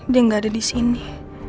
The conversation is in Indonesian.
dia gak ada disini